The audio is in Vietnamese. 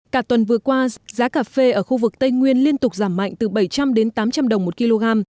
cả tuần vừa qua giá cà phê ở khu vực tây nguyên liên tục giảm mạnh từ bảy trăm linh đến tám trăm linh đồng một kg